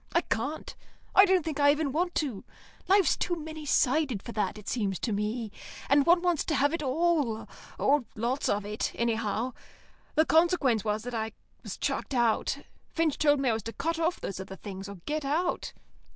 I can't. I don't think I even want to. Life's too many sided for that, it seems to me, and one wants to have it all or lots of it, anyhow. The consequence was that I was chucked out. Finch told me I was to cut off those other things, or get out.